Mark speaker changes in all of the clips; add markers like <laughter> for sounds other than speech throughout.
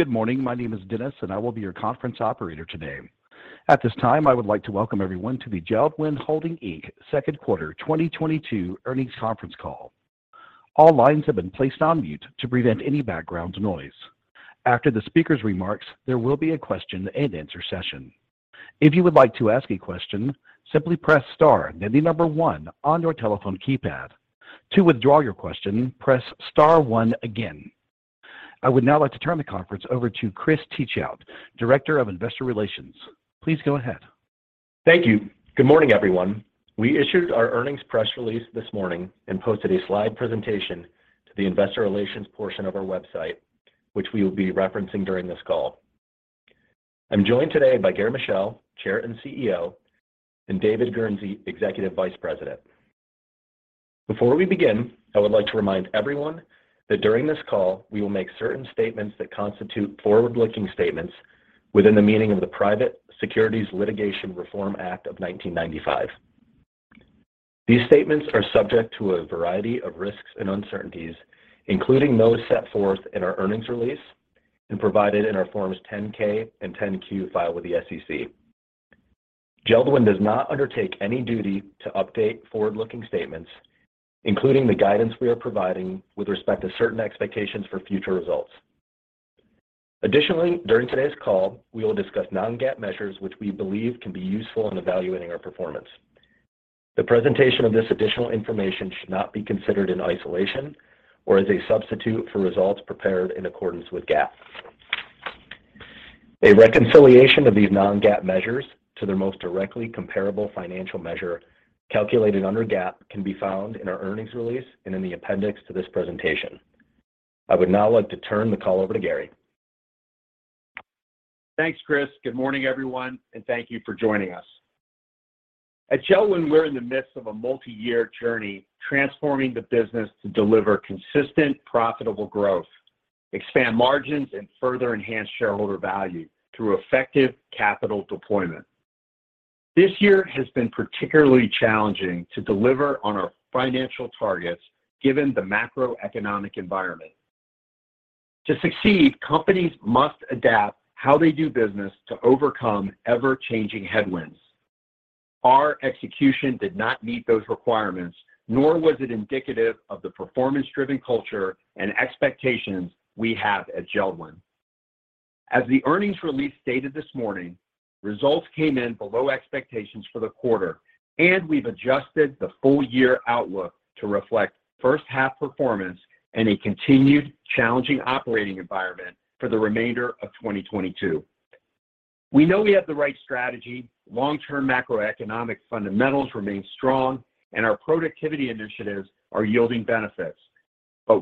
Speaker 1: Good morning. My name is Dennis, and I will be your conference operator today. At this time, I would like to welcome everyone to the JELD-WEN Holding, Inc. Second Quarter 2022 Earnings Conference Call. All lines have been placed on mute to prevent any background noise. After the speaker's remarks, there will be a question-and-answer session. If you would like to ask a question, simply press star then the number one on your telephone keypad. To withdraw your question, press star one again. I would now like to turn the conference over to Chris Teachout, Director of Investor Relations. Please go ahead.
Speaker 2: Thank you. Good morning, everyone. We issued our earnings press release this morning and posted a slide presentation to the investor relations portion of our website, which we will be referencing during this call. I'm joined today by Gary Michel, Chair and CEO, and David Guernsey, Executive Vice President. Before we begin, I would like to remind everyone that during this call, we will make certain statements that constitute forward-looking statements within the meaning of the Private Securities Litigation Reform Act of 1995. These statements are subject to a variety of risks and uncertainties, including those set forth in our earnings release and provided in our Form 10-K and Form 10-Q filed with the SEC. JELD-WEN does not undertake any duty to update forward-looking statements, including the guidance we are providing with respect to certain expectations for future results. Additionally, during today's call, we will discuss non-GAAP measures which we believe can be useful in evaluating our performance. The presentation of this additional information should not be considered in isolation or as a substitute for results prepared in accordance with GAAP. A reconciliation of these non-GAAP measures to their most directly comparable financial measure calculated under GAAP can be found in our earnings release and in the appendix to this presentation. I would now like to turn the call over to Gary.
Speaker 3: Thanks, Chris. Good morning, everyone, and thank you for joining us. At JELD-WEN, we're in the midst of a multi-year journey, transforming the business to deliver consistent, profitable growth, expand margins, and further enhance shareholder value through effective capital deployment. This year has been particularly challenging to deliver on our financial targets given the macroeconomic environment. To succeed, companies must adapt how they do business to overcome ever-changing headwinds. Our execution did not meet those requirements, nor was it indicative of the performance-driven culture and expectations we have at JELD-WEN. As the earnings release stated this morning, results came in below expectations for the quarter, and we've adjusted the full year outlook to reflect first half performance and a continued challenging operating environment for the remainder of 2022. We know we have the right strategy. Long-term macroeconomic fundamentals remain strong, and our productivity initiatives are yielding benefits.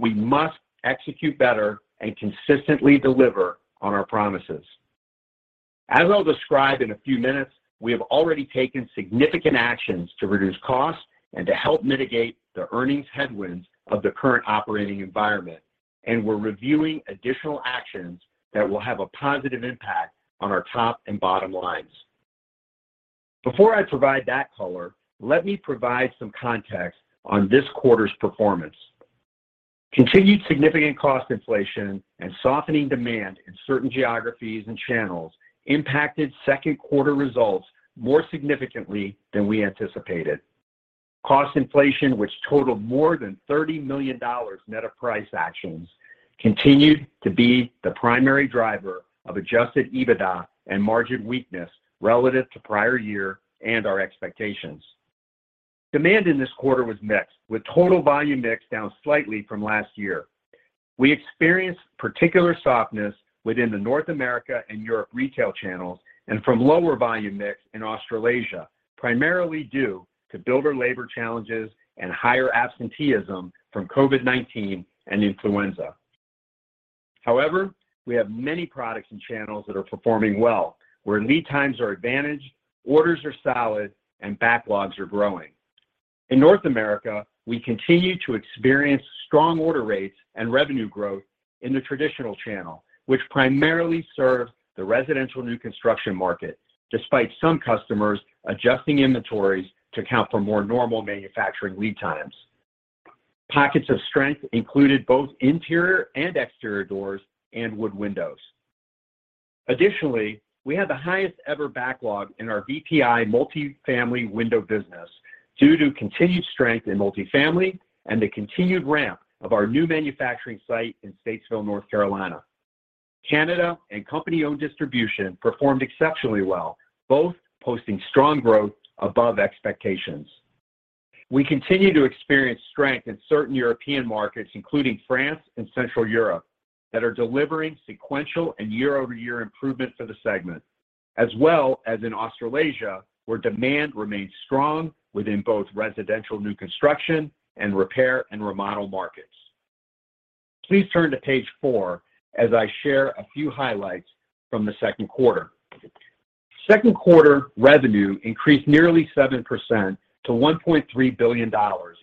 Speaker 3: We must execute better and consistently deliver on our promises. As I'll describe in a few minutes, we have already taken significant actions to reduce costs and to help mitigate the earnings headwinds of the current operating environment, and we're reviewing additional actions that will have a positive impact on our top and bottom lines. Before I provide that color, let me provide some context on this quarter's performance. Continued significant cost inflation and softening demand in certain geographies and channels impacted second quarter results more significantly than we anticipated. Cost inflation, which totaled more than $30 million net of price actions, continued to be the primary driver of Adjusted EBITDA and margin weakness relative to prior year and our expectations. Demand in this quarter was mixed, with total volume mix down slightly from last year. We experienced particular softness within the North America and Europe retail channels and from lower volume mix in Australasia, primarily due to builder labor challenges and higher absenteeism from COVID-19 and influenza. However, we have many products and channels that are performing well, where lead times are an advantage, orders are solid, and backlogs are growing. In North America, we continue to experience strong order rates and revenue growth in the traditional channel, which primarily serves the residential new construction market despite some customers adjusting inventories to account for more normal manufacturing lead times. Pockets of strength included both interior and exterior doors and wood windows. Additionally, we have the highest ever backlog in our VPI multifamily window business due to continued strength in multifamily and the continued ramp of our new manufacturing site in Statesville, North Carolina. Canada and company-owned distribution performed exceptionally well, both posting strong growth above expectations. We continue to experience strength in certain European markets, including France and Central Europe, that are delivering sequential and year-over-year improvement for the segment, as well as in Australasia, where demand remains strong within both residential new construction and repair and remodel markets. Please turn to page four as I share a few highlights from the second quarter. Second quarter revenue increased nearly 7% to $1.3 billion,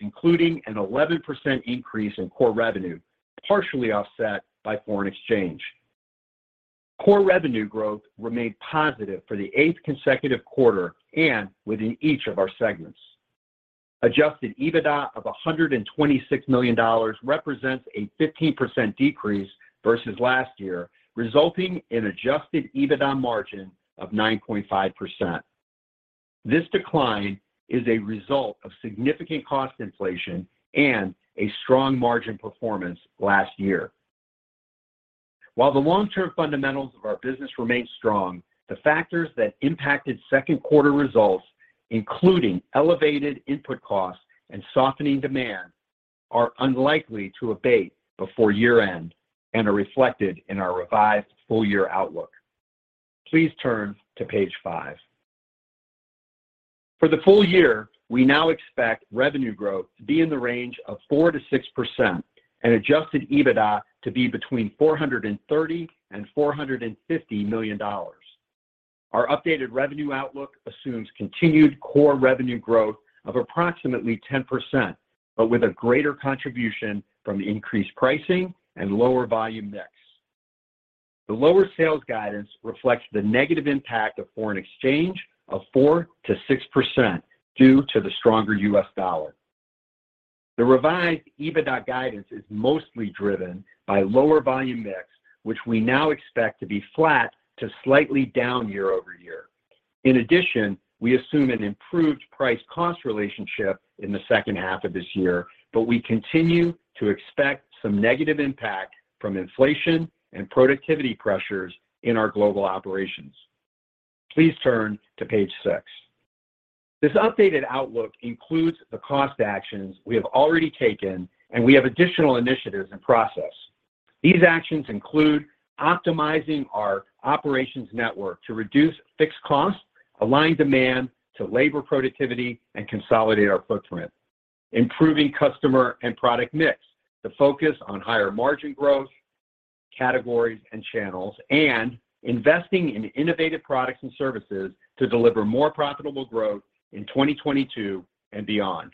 Speaker 3: including an 11% increase in core revenue, partially offset by foreign exchange. Core revenue growth remained positive for the eighth consecutive quarter and within each of our segments. Adjusted EBITDA of $126 million represents a 15% decrease versus last year, resulting in adjusted EBITDA margin of 9.5%. This decline is a result of significant cost inflation and a strong margin performance last year. While the long-term fundamentals of our business remain strong, the factors that impacted second quarter results, including elevated input costs and softening demand, are unlikely to abate before year-end and are reflected in our revised full year outlook. Please turn to page five. For the full year, we now expect revenue growth to be in the range of 4% to 6% and adjusted EBITDA to be between $430 million and $450 million. Our updated revenue outlook assumes continued core revenue growth of approximately 10%, but with a greater contribution from increased pricing and lower volume mix. The lower sales guidance reflects the negative impact of foreign exchange of 4% to 6% due to the stronger US dollar. The revised EBITDA guidance is mostly driven by lower volume mix, which we now expect to be flat to slightly down year-over-year. In addition, we assume an improved price-cost relationship in the second half of this year, but we continue to expect some negative impact from inflation and productivity pressures in our global operations. Please turn to page six. This updated outlook includes the cost actions we have already taken, and we have additional initiatives in process. These actions include optimizing our operations network to reduce fixed costs, align demand to labor productivity, and consolidate our footprint. Improving customer and product mix to focus on higher margin growth, categories and channels, and investing in innovative products and services to deliver more profitable growth in 2022 and beyond.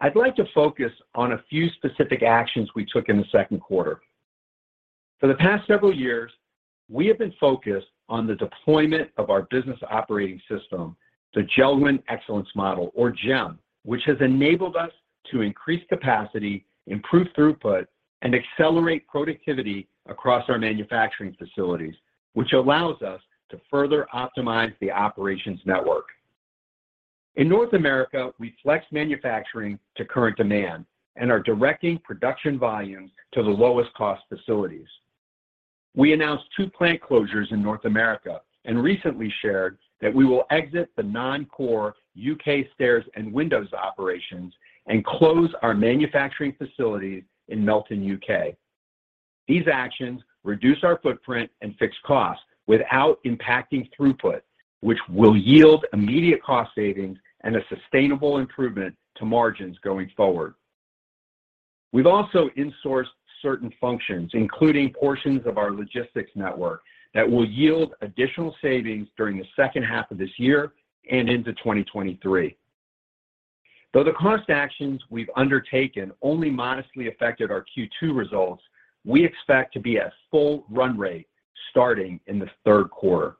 Speaker 3: I'd like to focus on a few specific actions we took in the second quarter. For the past several years, we have been focused on the deployment of our business operating system, the JELD-WEN Excellence Model, or JEM, which has enabled us to increase capacity, improve throughput, and accelerate productivity across our manufacturing facilities, which allows us to further optimize the operations network. In North America, we flex manufacturing to current demand and are directing production volumes to the lowest cost facilities. We announced two plant closures in North America and recently shared that we will exit the non-core UK stairs and windows operations and close our manufacturing facilities in Melton, UK. These actions reduce our footprint and fixed costs without impacting throughput, which will yield immediate cost savings and a sustainable improvement to margins going forward. We've also insourced certain functions, including portions of our logistics network, that will yield additional savings during the second half of this year and into 2023. Though the cost actions we've undertaken only modestly affected our second quarter results, we expect to be at full run rate starting in the third quarter.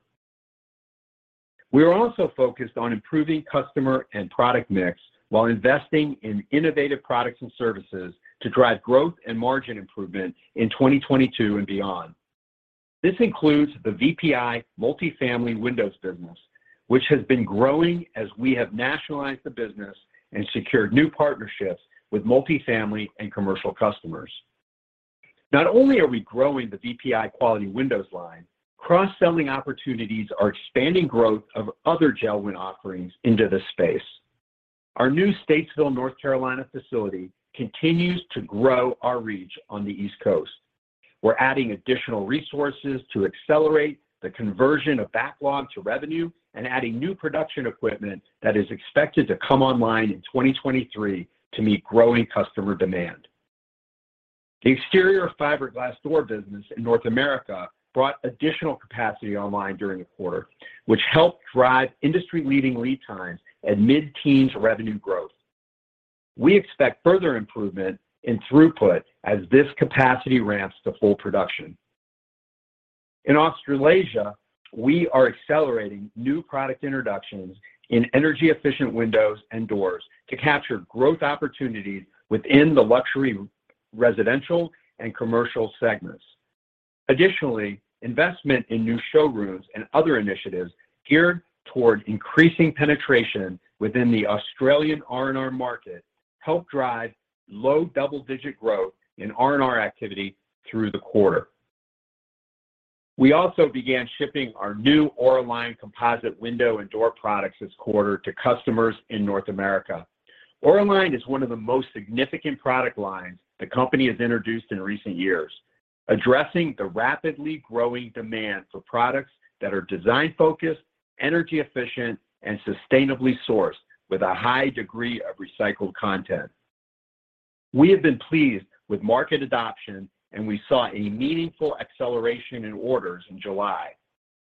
Speaker 3: We are also focused on improving customer and product mix while investing in innovative products and services to drive growth and margin improvement in 2022 and beyond. This includes the VPI multifamily windows business, which has been growing as we have nationalized the business and secured new partnerships with multifamily and commercial customers. Not only are we growing the VPI Quality Windows line, cross-selling opportunities are expanding growth of other JELD-WEN offerings into this space. Our new Statesville, North Carolina facility continues to grow our reach on the East Coast. We're adding additional resources to accelerate the conversion of backlog to revenue and adding new production equipment that is expected to come online in 2023 to meet growing customer demand. The exterior fiberglass door business in North America brought additional capacity online during the quarter, which helped drive industry-leading lead times and mid-teens revenue growth. We expect further improvement in throughput as this capacity ramps to full production. In Australasia, we are accelerating new product introductions in energy-efficient windows and doors to capture growth opportunities within the luxury residential and commercial segments. Additionally, investment in new showrooms and other initiatives geared toward increasing penetration within the Australian R&R market helped drive low double-digit growth in R&R activity through the quarter. We also began shipping our new AuraLine composite window and door products this quarter to customers in North America. AuraLine is one of the most significant product lines the company has introduced in recent years, addressing the rapidly growing demand for products that are design-focused, energy-efficient, and sustainably sourced with a high degree of recycled content. We have been pleased with market adoption, and we saw a meaningful acceleration in orders in July.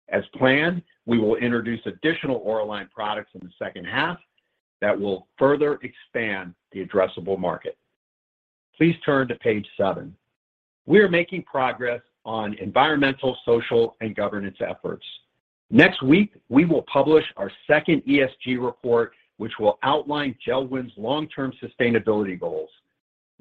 Speaker 3: As planned, we will introduce additional AuraLine products in the second half that will further expand the addressable market. Please turn to page seven. We are making progress on environmental, social, and governance efforts. Next week, we will publish our second ESG report, which will outline JELD-WEN's long-term sustainability goals.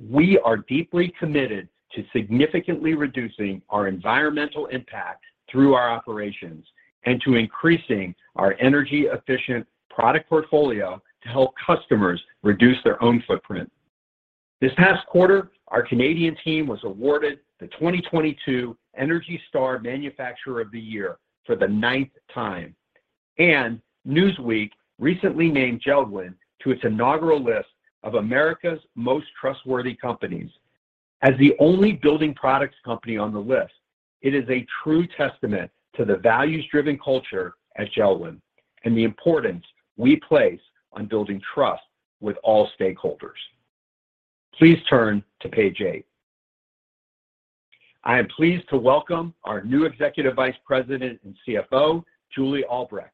Speaker 3: We are deeply committed to significantly reducing our environmental impact through our operations and to increasing our energy-efficient product portfolio to help customers reduce their own footprint. This past quarter, our Canadian team was awarded the 2022 Energy Star Manufacturer of the Year for the ninth time, and Newsweek recently named JELD-WEN to its inaugural list of America's Most Trustworthy Companies. As the only building products company on the list, it is a true testament to the values-driven culture at JELD-WEN and the importance we place on building trust with all stakeholders. Please turn to page eight. I am pleased to welcome our new Executive Vice President and CFO, Julie Albrecht,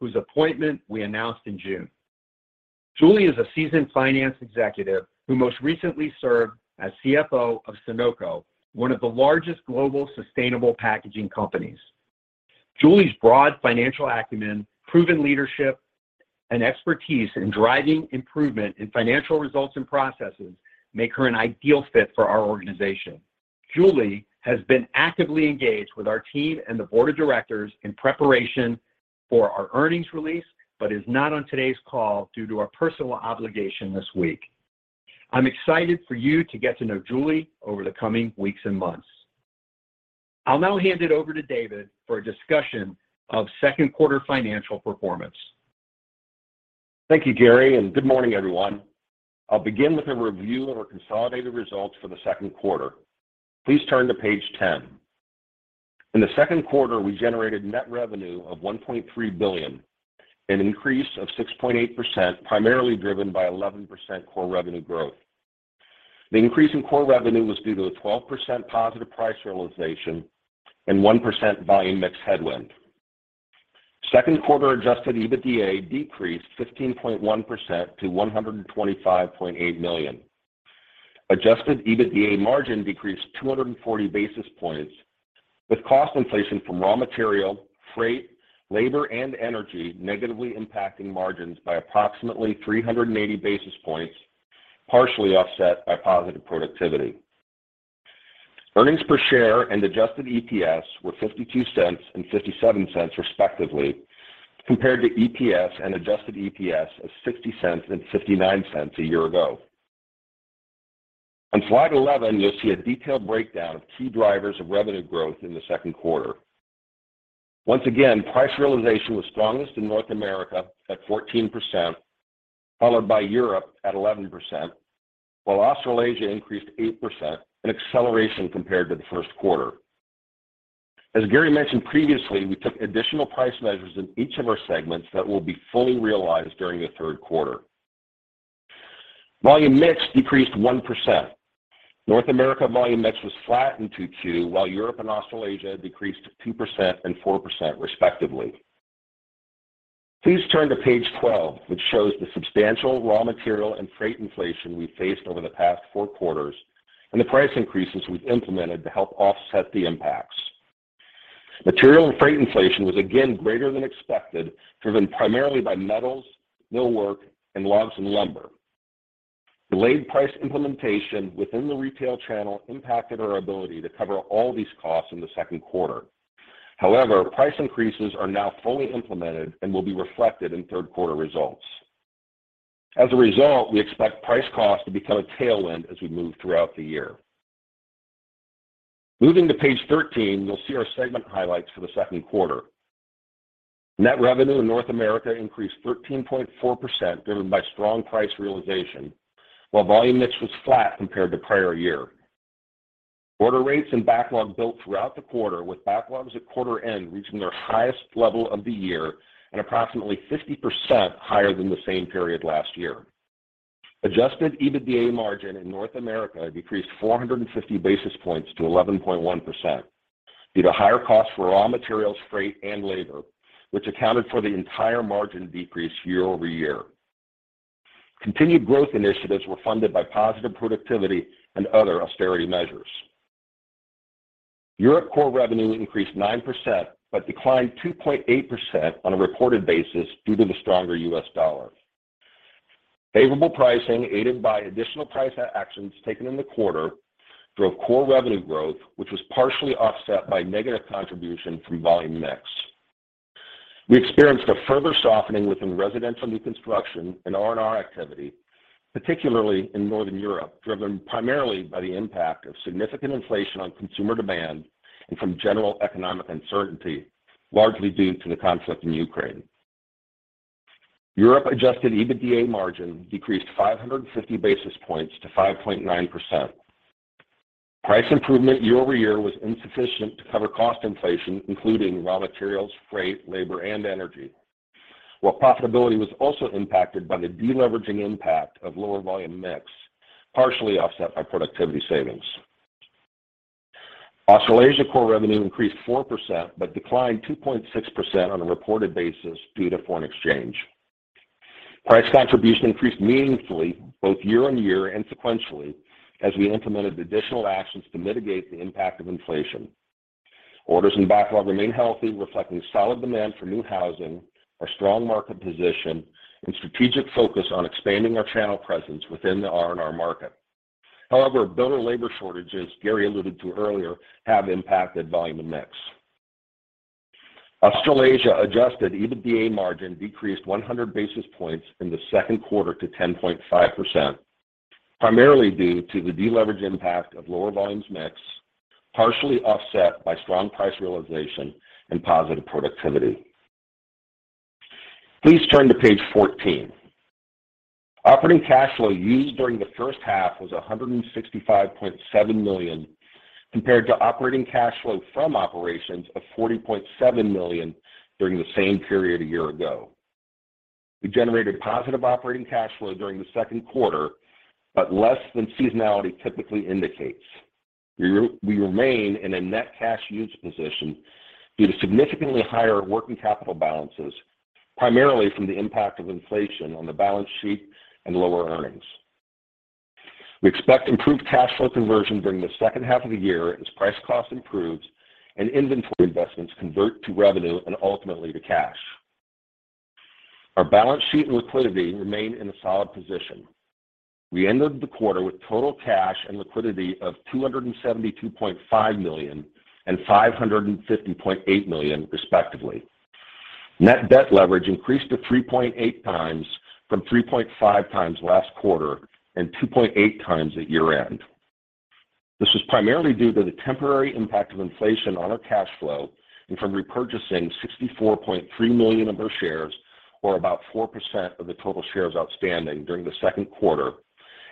Speaker 3: whose appointment we announced in June. Julie is a seasoned finance executive who most recently served as CFO of Sonoco, one of the largest global sustainable packaging companies. Julie's broad financial acumen, proven leadership, and expertise in driving improvement in financial results and processes make her an ideal fit for our organization. Julie has been actively engaged with our team and the board of directors in preparation for our earnings release but is not on today's call due to a personal obligation this week. I'm excited for you to get to know Julie over the coming weeks and months. I'll now hand it over to David for a discussion of second quarter financial performance.
Speaker 4: Thank you, Gary, and good morning, everyone. I'll begin with a review of our consolidated results for the second quarter. Please turn to page 10. In the second quarter, we generated net revenue of $1.3 billion, an increase of 6.8%, primarily driven by 11% core revenue growth. The increase in core revenue was due to a 12% positive price realization and 1% volume mix headwind. Second quarter adjusted EBITDA decreased 15.1% to $125.8 million. Adjusted EBITDA margin decreased 240-basis points with cost inflation from raw material, freight, labor, and energy negatively impacting margins by approximately 380-basis points, partially offset by positive productivity. Earnings per share and adjusted EPS were $0.52 and $0.57, respectively, compared to EPS and adjusted EPS of $0.60 and $0.59 a year ago. On slide 11, you'll see a detailed breakdown of key drivers of revenue growth in the second quarter. Once again, price realization was strongest in North America at 14%, followed by Europe at 11%, while Australasia increased 8%, an acceleration compared to the first quarter. As Gary mentioned previously, we took additional price measures in each of our segments that will be fully realized during the third quarter. Volume mix decreased 1%. North America volume mix was flat in second quarter, while Europe and Australasia decreased 2% and 4%, respectively. Please turn to page 12, which shows the substantial raw material and freight inflation we faced over the past four quarters and the price increases we've implemented to help offset the impacts. Material and freight inflation was again greater than expected, driven primarily by metals, millwork, and logs and lumber. Delayed price implementation within the retail channel impacted our ability to cover all these costs in the second quarter. However, price increases are now fully implemented and will be reflected in third quarter results. As a result, we expect price cost to become a tailwind as we move throughout the year. Moving to page 13, you'll see our segment highlights for the second quarter. Net revenue in North America increased 13.4%, driven by strong price realization, while volume mix was flat compared to prior year. Order rates and backlog built throughout the quarter, with backlogs at quarter end reaching their highest level of the year and approximately 50% higher than the same period last year. Adjusted EBITDA margin in North America decreased 450-basis points to 11.1% due to higher costs for raw materials, freight, and labor, which accounted for the entire margin decrease year-over-year. Continued growth initiatives were funded by positive productivity and other austerity measures. Europe core revenue increased 9%, but declined 2.8% on a reported basis due to the stronger US dollar. Favorable pricing, aided by additional price actions taken in the quarter, drove core revenue growth, which was partially offset by negative contribution from volume mix. We experienced a further softening within residential new construction and R&R activity, particularly in Northern Europe, driven primarily by the impact of significant inflation on consumer demand and from general economic uncertainty, largely due to the conflict in Ukraine. Europe Adjusted EBITDA margin decreased 550-basis points to 5.9%. Price improvement year-over-year was insufficient to cover cost inflation, including raw materials, freight, labor, and energy, while profitability was also impacted by the deleveraging impact of lower volume mix, partially offset by productivity savings. Australasia core revenue increased 4% but declined 2.6% on a reported basis due to foreign exchange. Price contribution increased meaningfully both year-over-year and sequentially as we implemented additional actions to mitigate the impact of inflation. Orders in backlog remain healthy, reflecting solid demand for new housing, our strong market position and strategic focus on expanding our channel presence within the R&R market. However, builder labor shortages Gary alluded to earlier have impacted volume and mix. Australasia Adjusted EBITDA margin decreased 100-basis points in the second quarter to 10.5%, primarily due to the deleverage impact of lower volumes mix, partially offset by strong price realization and positive productivity. Please turn to page 14. Operating cash flow used during the first half was $165.7 million, compared to operating cash flow from operations of $40.7 million during the same period a year ago. We generated positive operating cash flow during the second quarter, but less than seasonality typically indicates. We remain in a net cash use position due to significantly higher working capital balances, primarily from the impact of inflation on the balance sheet and lower earnings. We expect improved cash flow conversion during the second half of the year as price cost improves and inventory investments convert to revenue and ultimately to cash. Our balance sheet and liquidity remain in a solid position. We ended the quarter with total cash and liquidity of $272.5 million and $550.8 million respectively. Net debt leverage increased to 3.8x from 3.5x last quarter and 2.8x at year-end. This was primarily due to the temporary impact of inflation on our cash flow and from repurchasing $64.3 million of our shares, or about 4% of the total shares outstanding during the second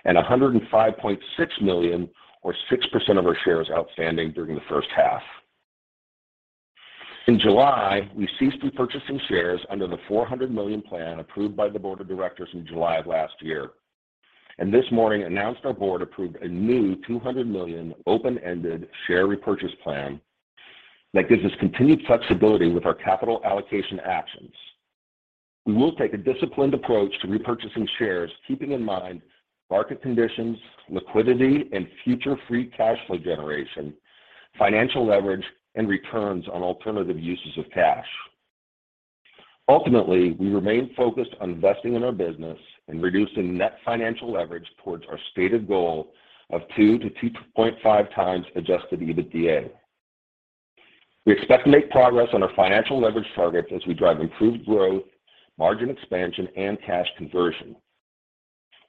Speaker 4: quarter, and $105.6 million or 6% of our shares outstanding during the first half. In July, we ceased repurchasing shares under the $400 million plan approved by the board of directors in July of last year. This morning announced our board approved a new $200 million open-ended share repurchase plan that gives us continued flexibility with our capital allocation actions. We will take a disciplined approach to repurchasing shares, keeping in mind market conditions, liquidity and future free cash flow generation, financial leverage and returns on alternative uses of cash. Ultimately, we remain focused on investing in our business and reducing net financial leverage towards our stated goal of 2x to 2.5x Adjusted EBITDA. We expect to make progress on our financial leverage targets as we drive improved growth, margin expansion and cash conversion.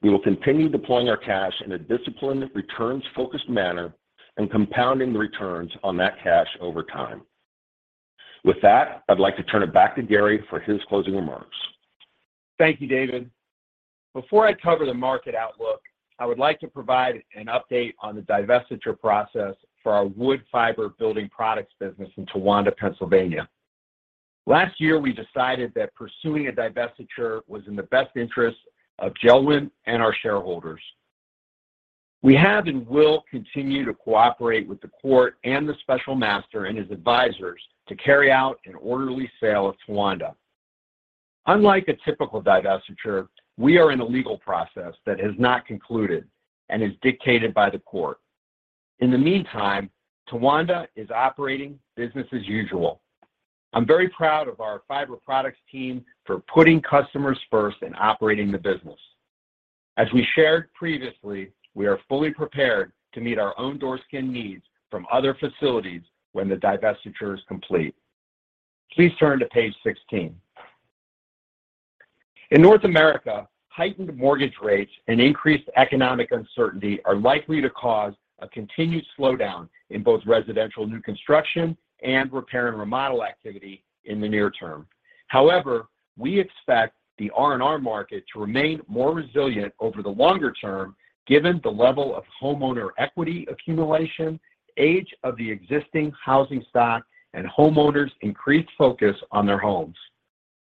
Speaker 4: We will continue deploying our cash in a disciplined, returns-focused manner and compounding the returns on that cash over time. With that, I'd like to turn it back to Gary for his closing remarks.
Speaker 3: Thank you, David. Before I cover the market outlook, I would like to provide an update on the divestiture process for our wood fiber building products business in Towanda, Pennsylvania. Last year, we decided that pursuing a divestiture was in the best interest of JELD-WEN and our shareholders. We have and will continue to cooperate with the court and the special master and his advisors to carry out an orderly sale of Towanda. Unlike a typical divestiture, we are in a legal process that has not concluded and is dictated by the court. In the meantime, Towanda is operating business as usual. I'm very proud of our fiber products team for putting customers first and operating the business. As we shared previously, we are fully prepared to meet our own door skin needs from other facilities when the divestiture is complete. Please turn to page 16. In North America, heightened mortgage rates and increased economic uncertainty are likely to cause a continued slowdown in both residential new construction and repair and remodel activity in the near term. However, we expect the R&R market to remain more resilient over the longer term given the level of homeowner equity accumulation, age of the existing housing stock, and homeowners increased focus on their homes.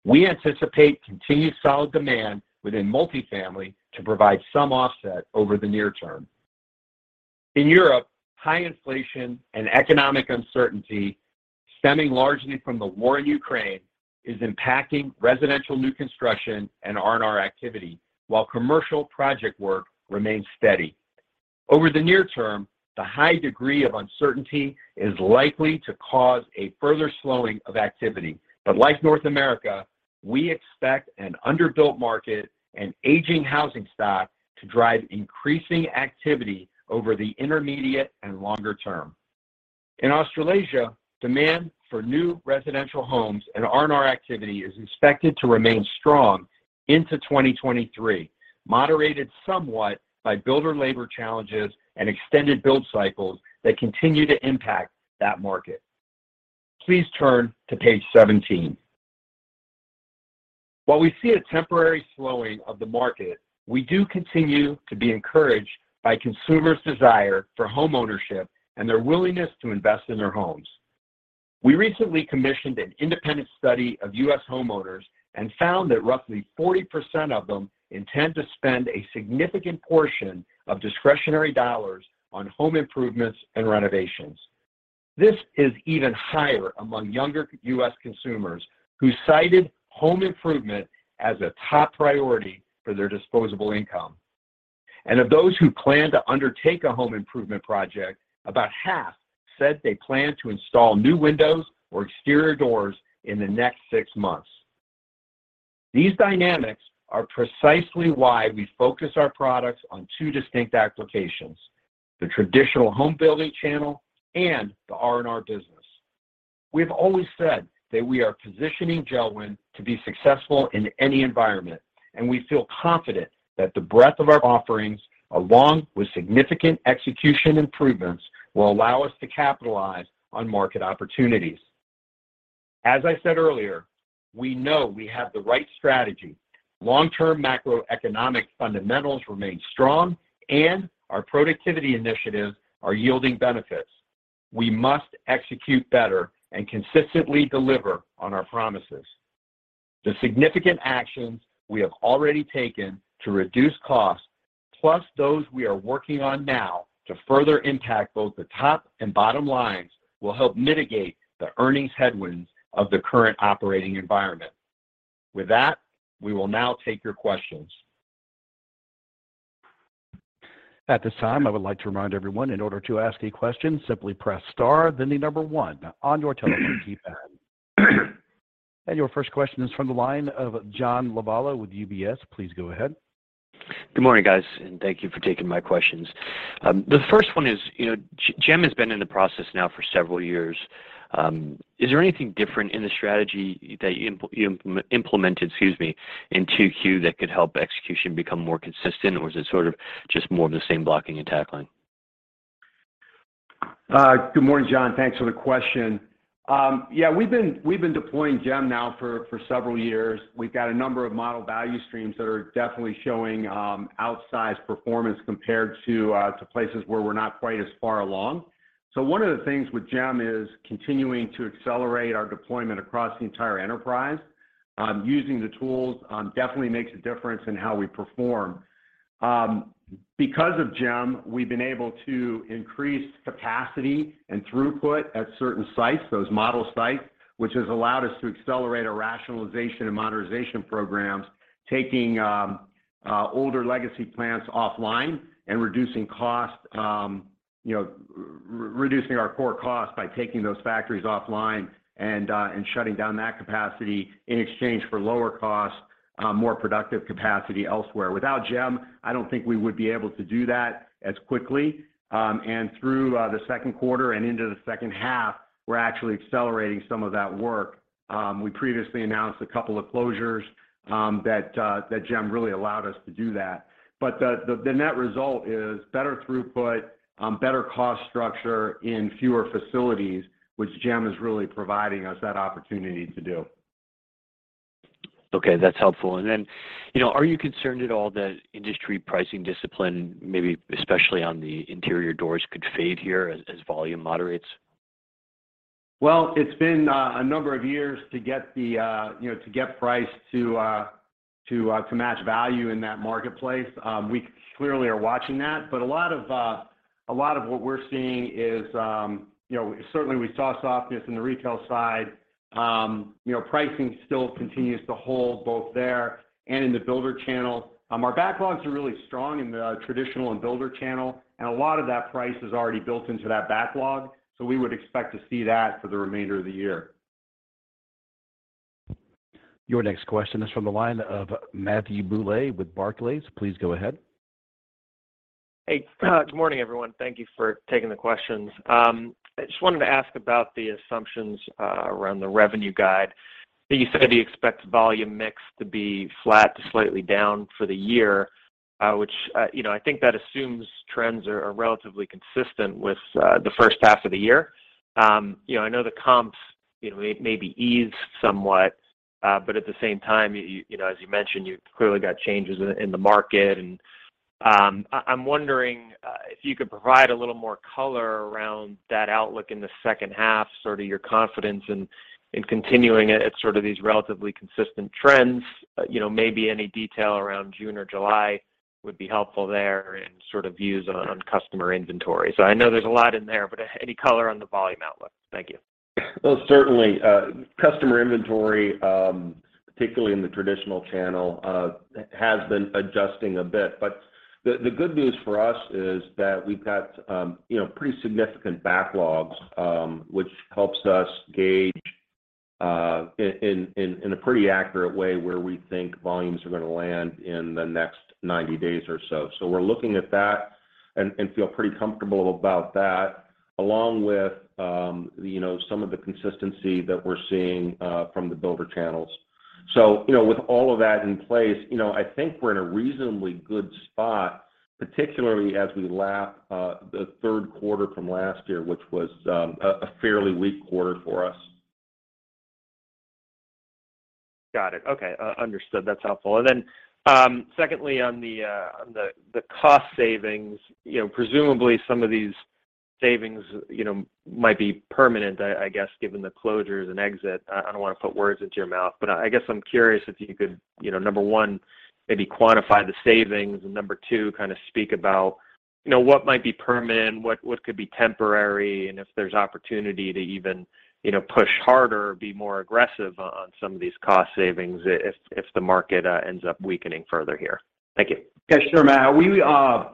Speaker 3: We anticipate continued solid demand within multifamily to provide some offset over the near term. In Europe, high inflation and economic uncertainty stemming largely from the war in Ukraine is impacting residential new construction and R&R activity while commercial project work remains steady. Over the near term, the high degree of uncertainty is likely to cause a further slowing of activity. Like North America, we expect an underbuilt market and aging housing stock to drive increasing activity over the intermediate and longer term. In Australasia, demand for new residential homes and R&R activity is expected to remain strong into 2023 moderated somewhat by builder labor challenges and extended build cycles that continue to impact that market. Please turn to page 17. While we see a temporary slowing of the market, we do continue to be encouraged by consumers' desire for homeownership and their willingness to invest in their homes. We recently commissioned an independent study of US homeowners and found that roughly 40% of them intend to spend a significant portion of discretionary dollars on home improvements and renovations. This is even higher among younger US consumers who cited home improvement as a top priority for their disposable income. Of those who plan to undertake a home improvement project, about half said they plan to install new windows or exterior doors in the next six months. These dynamics are precisely why we focus our products on two distinct applications, the traditional home building channel and the R&R business. We've always said that we are positioning JELD-WEN to be successful in any environment, and we feel confident that the breadth of our offerings, along with significant execution improvements, will allow us to capitalize on market opportunities. As I said earlier, we know we have the right strategy. Long-term macroeconomic fundamentals remain strong, and our productivity initiatives are yielding benefits. We must execute better and consistently deliver on our promises. The significant actions we have already taken to reduce costs, plus those we are working on now to further impact both the top and bottom lines, will help mitigate the earnings headwinds of the current operating environment. With that, we will now take your questions.
Speaker 1: At this time, I would like to remind everyone, in order to ask a question, simply press star then the number one on your telephone keypad. Your first question is from the line of John Lovallo with UBS. Please go ahead.
Speaker 5: Good morning, guys, and thank you for taking my questions. The first one is, you know, JEM has been in the process now for several years. Is there anything different in the strategy that you implemented, excuse me, in second quarter that could help execution become more consistent, or is it sort of just more of the same blocking and tackling?
Speaker 3: Good morning, John. Thanks for the question. Yeah, we've been deploying JEM now for several years. We've got a number of model value streams that are definitely showing outsized performance compared to places where we're not quite as far along. One of the things with JEM is continuing to accelerate our deployment across the entire enterprise. Using the tools definitely makes a difference in how we perform. Because of JEM, we've been able to increase capacity and throughput at certain sites, those model sites, which has allowed us to accelerate our rationalization and modernization programs, taking older legacy plants offline and reducing costs, you know, reducing our core costs by taking those factories offline and shutting down that capacity in exchange for lower costs, more productive capacity elsewhere. Without JEM, I don't think we would be able to do that as quickly. Through the second quarter and into the second half, we're actually accelerating some of that work. We previously announced a couple of closures, that JEM really allowed us to do that. The net result is better throughput, better cost structure in fewer facilities, which JEM is really providing us that opportunity to do.
Speaker 5: Okay, that's helpful. You know, are you concerned at all that industry pricing discipline, maybe especially on the interior doors, could fade here as volume moderates?
Speaker 3: It's been a number of years to get price to match value in that marketplace. We clearly are watching that. A lot of what we're seeing is, you know, certainly we saw softness in the retail side. You know, pricing still continues to hold both there and in the builder channel. Our backlogs are really strong in the traditional and builder channel, and a lot of that price is already built into that backlog. We would expect to see that for the remainder of the year.
Speaker 1: Your next question is from the line of Matthew Bouley with Barclays. Please go ahead.
Speaker 6: Hey. Good morning, everyone. Thank you for taking the questions. I just wanted to ask about the assumptions around the revenue guide, that you said you expect volume mix to be flat to slightly down for the year, which, you know, I think that assumes trends are relatively consistent with the first half of the year. You know, I know the comps, you know, may be eased somewhat, but at the same time, you know, as you mentioned, you've clearly got changes in the market. I'm wondering if you could provide a little more color around that outlook in the second half, sort of your confidence in continuing it at sort of these relatively consistent trends. You know, maybe any detail around June or July would be helpful there and sort of views on customer inventory. I know there's a lot in there, but any color on the volume outlook. Thank you.
Speaker 3: Well, certainly, customer inventory, particularly in the traditional channel, has been adjusting a bit. But the good news for us is that we've got, you know, pretty significant backlogs, which helps us gauge in a pretty accurate way where we think volumes are gonna land in the next 90 days or so. We're looking at that and feel pretty comfortable about that, along with, you know, some of the consistency that we're seeing from the builder channels. With all of that in place, you know, I think we're in a reasonably good spot, particularly as we lap the third quarter from last year, which was a fairly weak quarter for us.
Speaker 6: Got it. Okay. Understood. That's helpful. Secondly on the cost savings, you know, presumably some of these savings, you know, might be permanent, I guess, given the closures and exit. I don't wanna put words into your mouth. I guess I'm curious if you could, you know, number one, maybe quantify the savings, and number two, kind of speak about, you know, what might be permanent, what could be temporary, and if there's opportunity to even, you know, push harder, be more aggressive on some of these cost savings if the market ends up weakening further here. Thank you.
Speaker 3: Yeah, sure, Matt.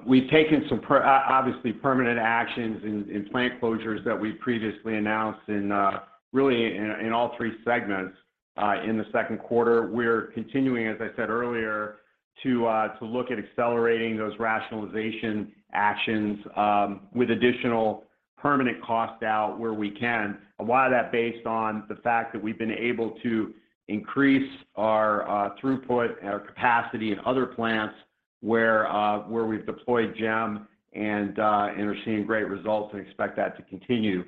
Speaker 3: We've taken some permanent actions in plant closures that we previously announced in really in all three segments in the second quarter. We're continuing, as I said earlier, to look at accelerating those rationalization actions with additional permanent cost out where we can. A lot of that based on the fact that we've been able to increase our throughput and our capacity in other plants where we've deployed JEM and are seeing great results and expect that to continue.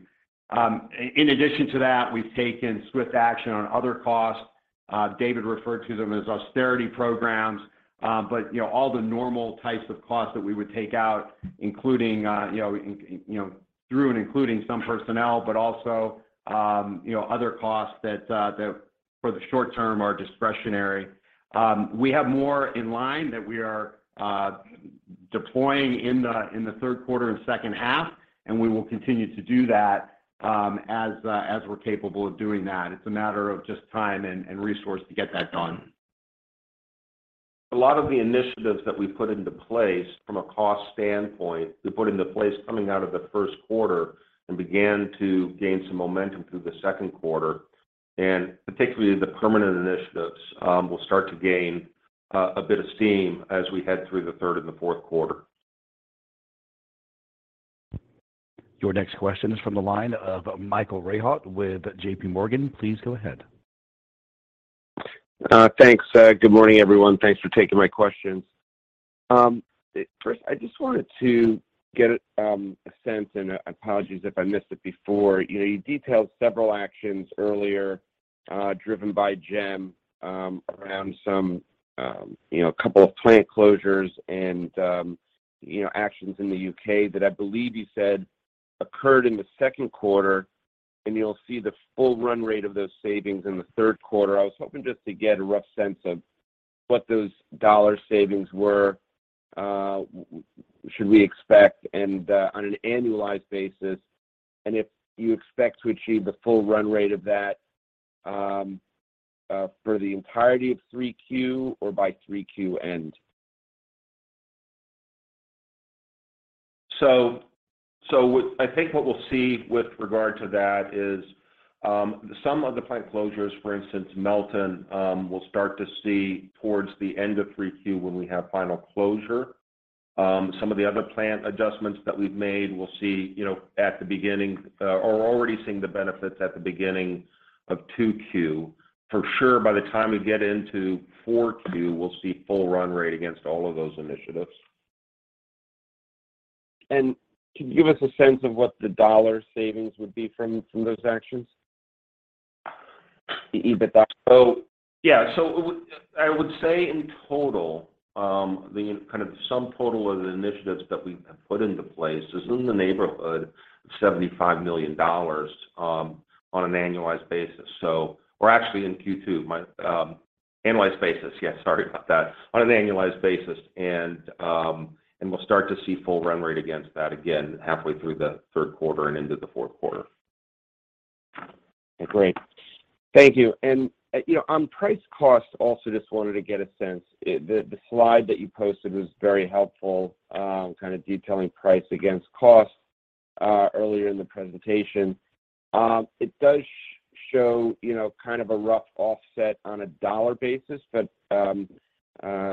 Speaker 3: In addition to that, we've taken swift action on other costs. David referred to them as austerity programs. You know, all the normal types of costs that we would take out, including you know. You know, through and including some personnel, but also, you know, other costs that for the short term are discretionary. We have more in line that we are deploying in the third quarter and second half, and we will continue to do that, as we're capable of doing that. It's a matter of just time and resource to get that done. A lot of the initiatives that we've put into place from a cost standpoint, we put into place coming out of the first quarter and began to gain some momentum through the second quarter. Particularly the permanent initiatives will start to gain a bit of steam as we head through the third and the fourth quarter.
Speaker 1: Your next question is from the line of Michael Rehaut with JPMorgan. Please go ahead.
Speaker 7: Thanks. Good morning, everyone. Thanks for taking my questions. First, I just wanted to get a sense, and apologies if I missed it before. You know, you detailed several actions earlier, driven by JEM, around some, you know, a couple of plant closures and, you know, actions in the UK that I believe you said occurred in the second quarter, and you'll see the full run rate of those savings in the third quarter. I was hoping just to get a rough sense of what those dollar savings were, should we expect, and, on an annualized basis, and if you expect to achieve the full run rate of that, for the entirety of third quarter or by third quarter end.
Speaker 3: I think what we'll see with regard to that is, some of the plant closures, for instance, Melton, we'll start to see towards the end of third quarter when we have final closure. Some of the other plant adjustments that we've made, we'll see at the beginning or already seeing the benefits at the beginning of second quarter. For sure, by the time we get into fourth quarter, we'll see full run rate against all of those initiatives.
Speaker 7: Could you give us a sense of what the dollar savings would be from those actions? The EBITDA.
Speaker 3: I would say in total, the kind of sum total of the initiatives that we have put into place is in the neighborhood of $75 million on an annualized basis. We're actually in second quarter. Yeah, sorry about that. On an annualized basis, we'll start to see full run rate against that again halfway through the third quarter and into the fourth quarter.
Speaker 7: Great. Thank you. You know, on price cost, also just wanted to get a sense. The slide that you posted was very helpful, kind of detailing price against cost, earlier in the presentation. It does show, you know, kind of a rough offset on a dollar basis, but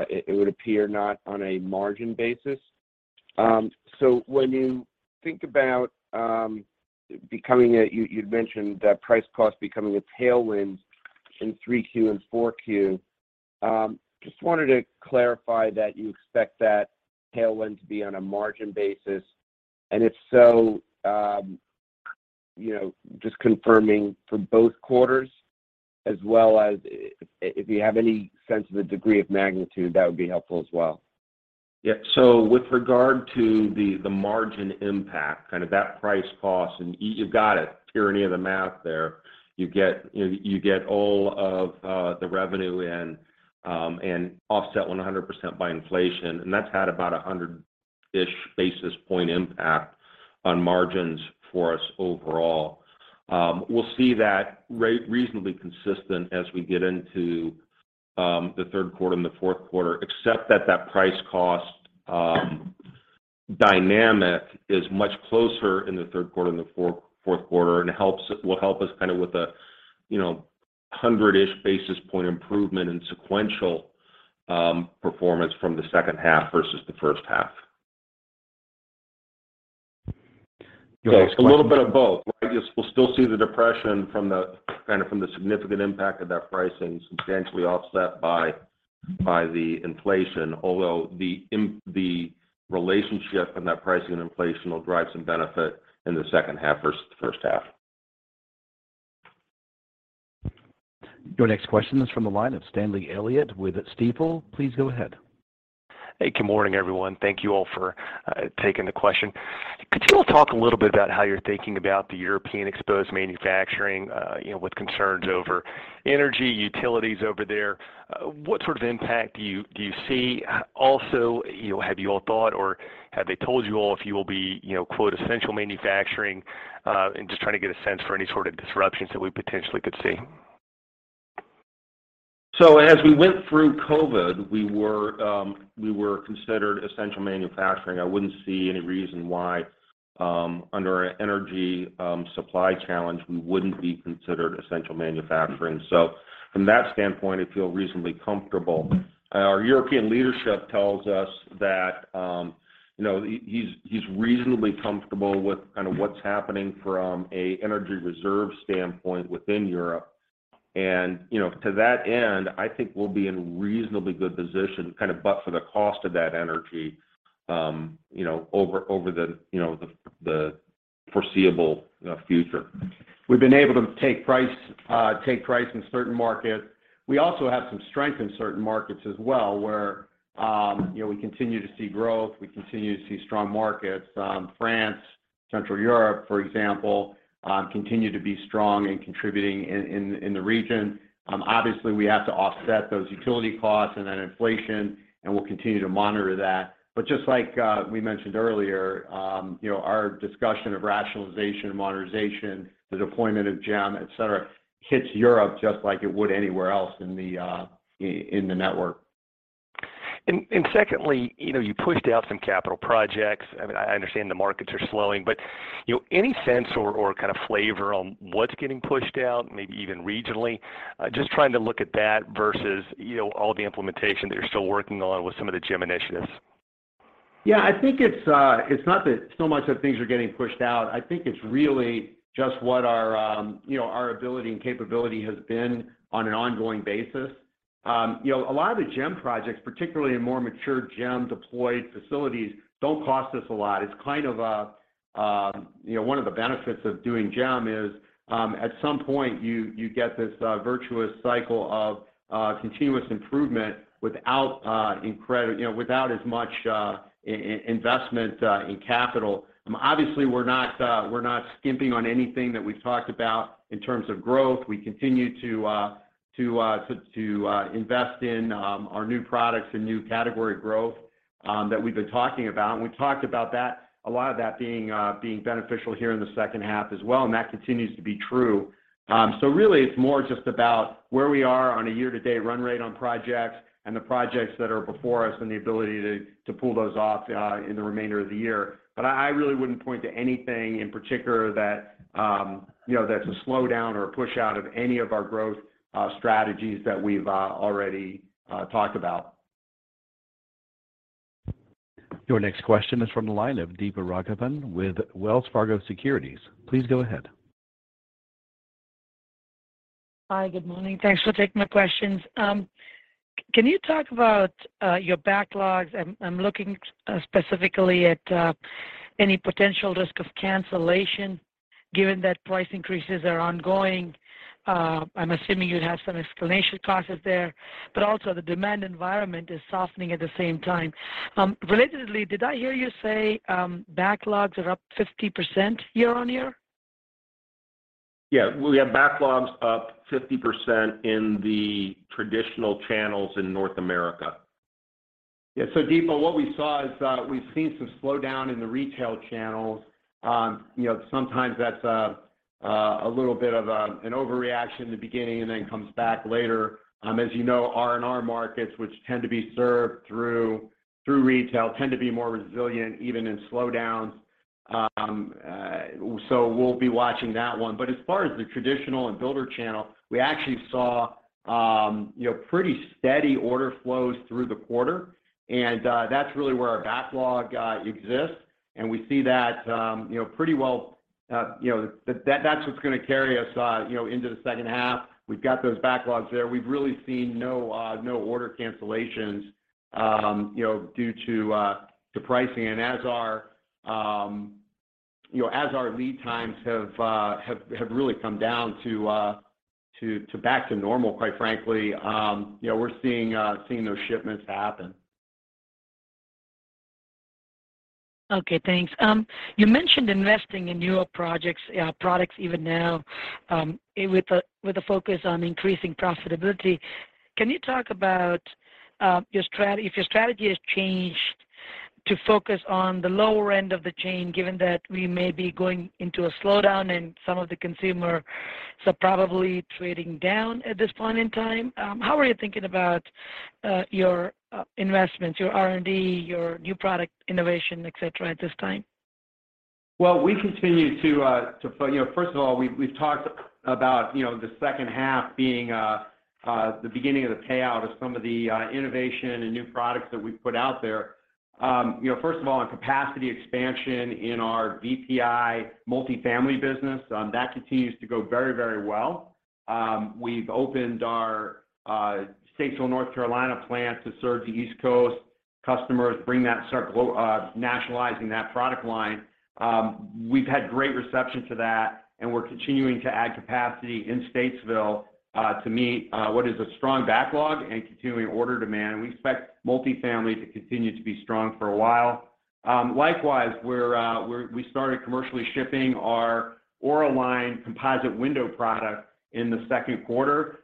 Speaker 7: it would appear not on a margin basis. So, when you think about, you'd mentioned that price cost becoming a tailwind in third quarter and fourth quarter. Just wanted to clarify that you expect that tailwind to be on a margin basis, and if so, you know, just confirming for both quarters as well as if you have any sense of the degree of magnitude, that would be helpful as well.
Speaker 3: With regard to the margin impact, kind of that price cost, and you've got it, tyranny of the math there. You get, you know, all of the revenue in and offset 100% by inflation, and that's had about a 100-ish-basis point impact on margins for us overall. We'll see that reasonably consistent as we get into the third quarter and the fourth quarter, except that that price cost dynamic is much closer in the third quarter and the fourth quarter and will help us kind of with a, you know, 100-ish-basis point improvement in sequential performance from the second half versus the first half. A little bit of both. We'll still see the depression from the significant impact of that pricing substantially offset by the inflation, although the relationship in that pricing and inflation will drive some benefit in the second half versus the first half.
Speaker 1: Your next question is from the line of Stanley Elliott with Stifel. Please go ahead.
Speaker 8: Hey, good morning, everyone. Thank you all for taking the question. Could you all talk a little bit about how you're thinking about the European exposed manufacturing, you know, with concerns over energy, utilities over there? What sort of impact do you see? Also, you know, have you all thought or have they told you all if you will be, you know, quote, "essential manufacturing"? And just trying to get a sense for any sort of disruptions that we potentially could see.
Speaker 3: As we went through COVID, we were considered essential manufacturing. I wouldn't see any reason why, under an energy supply challenge, we wouldn't be considered essential manufacturing. From that standpoint, I feel reasonably comfortable. Our European leadership tells us that he's reasonably comfortable with kind of what's happening from an energy reserve standpoint within Europe. To that end, I think we'll be in reasonably good position to kind of buffer for the cost of that energy over the foreseeable future. We've been able to take price in certain markets. We also have some strength in certain markets as well, where we continue to see growth, we continue to see strong markets. France, Central Europe, for example, continue to be strong in contributing in the region. Obviously, we have to offset those utility costs and then inflation, and we'll continue to monitor that. Just like we mentioned earlier, you know, our discussion of rationalization and modernization, the deployment of JEM, et cetera, hits Europe just like it would anywhere else in the network.
Speaker 8: Secondly, you know, you pushed out some capital projects. I mean, I understand the markets are slowing, but, you know, any sense or kind of flavor on what's getting pushed out, maybe even regionally? Just trying to look at that versus, you know, all the implementation that you're still working on with some of the JEM initiatives.
Speaker 3: Yeah. I think it's not that so much that things are getting pushed out. I think it's really just what our, you know, our ability and capability has been on an ongoing basis. You know, a lot of the JEM projects, particularly in more mature JEM-deployed facilities, don't cost us a lot. It's kind of a, you know, one of the benefits of doing JEM is, at some point, you get this virtuous cycle of continuous improvement without, you know, without as much investment in capital. Obviously, we're not skimping on anything that we've talked about in terms of growth. We continue to invest in our new products and new category growth that we've been talking about. We've talked about that, a lot of that being beneficial here in the second half as well, and that continues to be true. Really it's more just about where we are on a year-to-date run rate on projects and the projects that are before us and the ability to pull those off in the remainder of the year. I really wouldn't point to anything in particular that you know, that's a slowdown or a push out of any of our growth strategies that we've already talked about.
Speaker 1: Your next question is from the line of Deepa Raghavan with Wells Fargo Securities. Please go ahead.
Speaker 9: Hi, good morning. Thanks for taking my questions. Can you talk about your backlogs? I'm looking specifically at any potential risk of cancellation given that price increases are ongoing. I'm assuming you'd have some escalation clauses there, but also the demand environment is softening at the same time. Relatedly, did I hear you say backlogs are up 50% year-over-year?
Speaker 3: We have backlogs up 50% in the traditional channels in North America. Deepa, what we saw is that we've seen some slowdown in the retail channels. You know, sometimes that's a little bit of an overreaction in the beginning and then comes back later. As you know, R&R markets, which tend to be served through retail, tend to be more resilient, even in slowdowns. We'll be watching that one. As far as the traditional and builder channel, we actually saw, you know, pretty steady order flows through the quarter. That's really where our backlog exists. We see that, you know, pretty well. That's what's gonna carry us, you know, into the second half. We've got those backlogs there. We've really seen no order cancellations, you know, due to pricing. As our lead times have really come down to back to normal, quite frankly, you know, we're seeing those shipments happen.
Speaker 9: Okay, thanks. You mentioned investing in European projects, products even now, with a focus on increasing profitability. Can you talk about if your strategy has changed to focus on the lower end of the chain, given that we may be going into a slowdown and some of the consumers are probably trading down at this point in time? How are you thinking about your investments, your R&D, your new product innovation, et cetera, at this time?
Speaker 3: Well, we continue to. You know, first of all, we've talked about, you know, the second half being the beginning of the payout of some of the innovation and new products that we've put out there. You know, first of all, on capacity expansion in our VPI multifamily business, that continues to go very, very well. We've opened our Statesville, North Carolina plant to serve the East Coast customers, nationalizing that product line. We've had great reception to that, and we're continuing to add capacity in Statesville to meet what is a strong backlog and continuing order demand. We expect multifamily to continue to be strong for a while. Likewise, we started commercially shipping our AuraLine composite window product in the second quarter.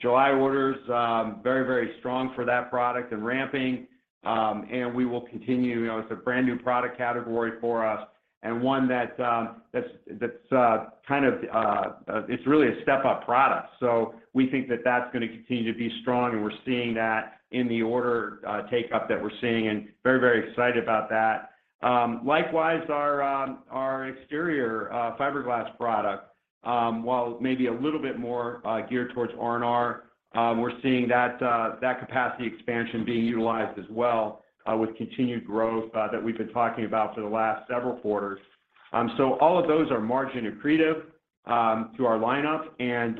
Speaker 3: July orders very strong for that product and ramping. We will continue. You know, it's a brand new product category for us and one that's really a step-up product. So, we think that that's gonna continue to be strong, and we're seeing that in the order take-up that we're seeing and very excited about that. Likewise, our exterior fiberglass product, while maybe a little bit more geared towards R&R, we're seeing that capacity expansion being utilized as well, with continued growth that we've been talking about for the last several quarters. All of those are margin accretive to our lineup and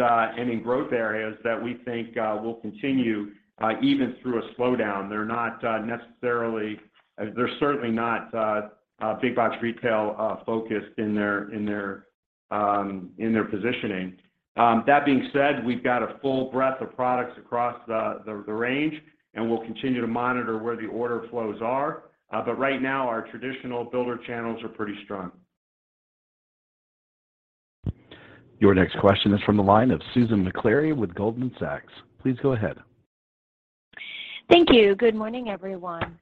Speaker 3: in growth areas that we think will continue even through a slowdown. They're not necessarily a big box retail focused in their positioning. That being said, we've got a full breadth of products across the range, and we'll continue to monitor where the order flows are. Right now, our traditional builder channels are pretty strong.
Speaker 1: Your next question is from the line of Susan Maklari with Goldman Sachs. Please go ahead.
Speaker 10: Thank you. Good morning, everyone.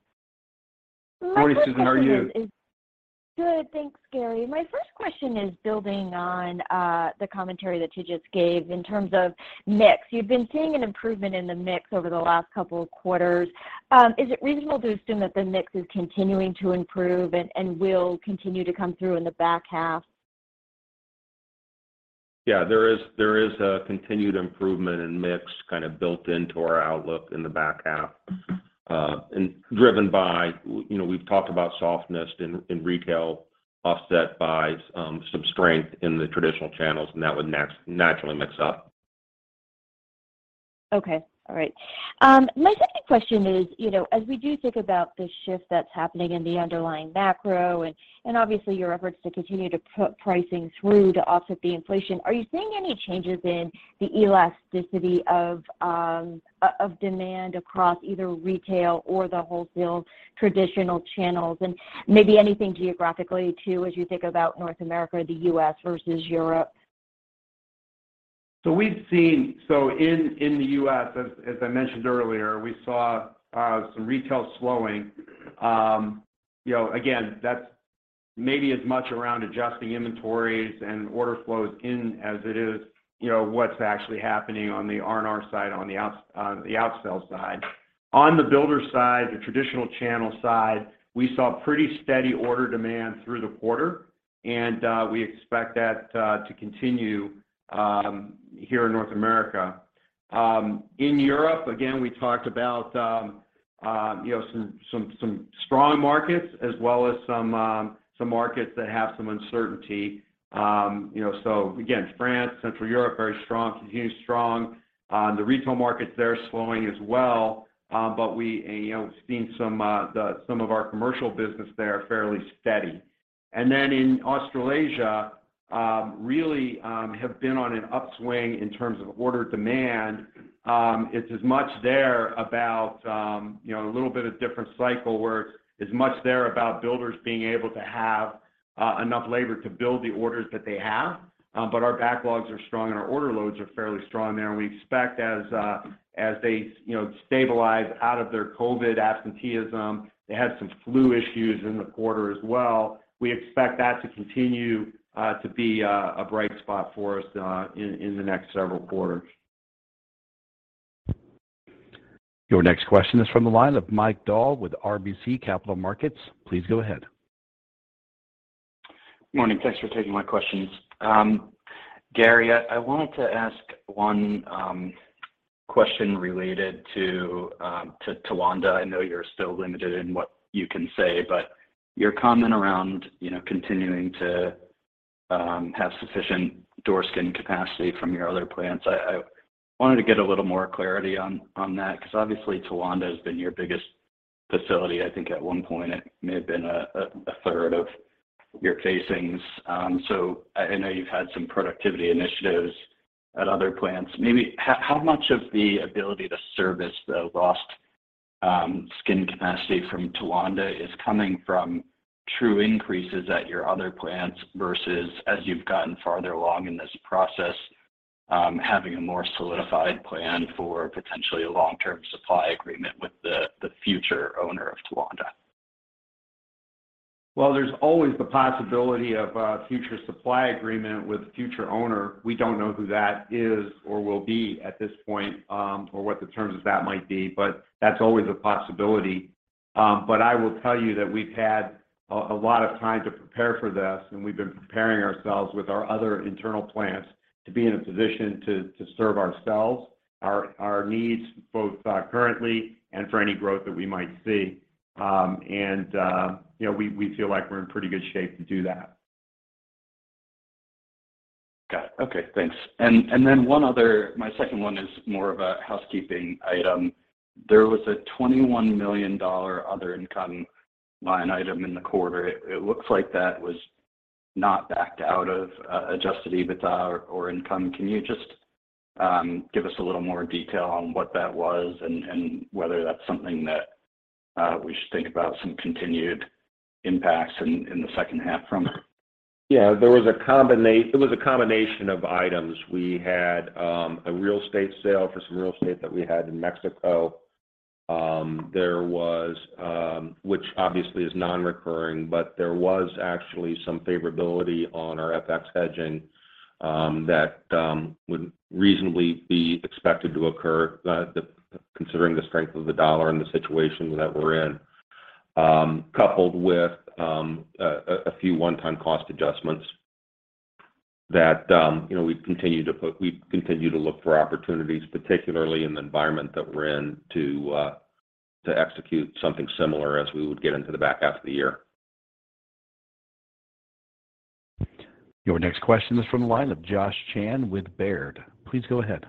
Speaker 3: Morning... <crosstalk> Susan. How are you?
Speaker 10: Good. Thanks, Gary. My first question is building on the commentary that you just gave in terms of mix. You've been seeing an improvement in the mix over the last couple of quarters. Is it reasonable to assume that the mix is continuing to improve and will continue to come through in the back half?
Speaker 3: Yeah, there is a continued improvement in mix kind of built into our outlook in the back half, and driven by, you know, we've talked about softness in retail offset by some strength in the traditional channels, and that would naturally mix up.
Speaker 10: Okay. All right. My second question is, you know, as we do think about the shift that's happening in the underlying macro and obviously your efforts to continue to put pricing through to offset the inflation, are you seeing any changes in the elasticity of of demand across either retail or the wholesale traditional channels and maybe anything geographically too, as you think about North America, the US versus Europe?
Speaker 3: In the US, as I mentioned earlier, we saw some retail slowing. You know, again, that's maybe as much around adjusting inventories and order flows in as it is, you know, what's actually happening on the R&R side, on the outsell side. On the builder side, the traditional channel side, we saw pretty steady order demand through the quarter, and we expect that to continue here in North America. In Europe, again, we talked about, you know, some strong markets as well as some markets that have some uncertainty. You know, again, France, Central Europe, very strong, continue strong. The retail markets there are slowing as well, but we, you know, have seen some of our commercial business there fairly steady. In Australasia, really have been on an upswing in terms of order demand. It's as much about, you know, a little bit of different cycle where it's much about builders being able to have enough labor to build the orders that they have. Our backlogs are strong and our order loads are fairly strong there. We expect as they, you know, stabilize out of their COVID absenteeism. They had some flu issues in the quarter as well. We expect that to continue to be a bright spot for us in the next several quarters.
Speaker 1: Your next question is from the line of Mike Dahl with RBC Capital Markets. Please go ahead.
Speaker 11: Morning. Thanks for taking my questions. Gary, I wanted to ask one question related to Towanda. I know you're still limited in what you can say, but your comment around, you know, continuing to have sufficient door skin capacity from your other plants. I wanted to get a little more clarity on that 'cause obviously Towanda has been your biggest facility. I think at one point it may have been a third of your facings. So, I know you've had some productivity initiatives at other plants. Maybe how much of the ability to service the lost skin capacity from Towanda is coming from true increases at your other plants versus as you've gotten farther along in this process, having a more solidified plan for potentially a long-term supply agreement with the future owner of Towanda?
Speaker 3: Well, there's always the possibility of a future supply agreement with a future owner. We don't know who that is or will be at this point, or what the terms of that might be, but that's always a possibility. I will tell you that we've had a lot of time to prepare for this, and we've been preparing ourselves with our other internal plants to be in a position to serve ourselves, our needs, both currently and for any growth that we might see. You know, we feel like we're in pretty good shape to do that.
Speaker 11: Got it. Okay, thanks. One other, my second one is more of a housekeeping item. There was a $21 million other income line item in the quarter. It looks like that was not backed out of Adjusted EBITDA or income. Can you just give us a little more detail on what that was and whether that's something that we should think about some continued impacts in the second half from?
Speaker 3: There was a combination of items. We had a real estate sale for some real estate that we had in Mexico, which obviously is non-recurring, but there was actually some favorability on our FX hedging that would reasonably be expected to occur, considering the strength of the dollar and the situation that we're in. Coupled with a few one-time cost adjustments that, you know, we continue to look for opportunities, particularly in the environment that we're in, to execute something similar as we would get into the back half of the year.
Speaker 1: Your next question is from the line of Josh Chan with Baird. Please go ahead.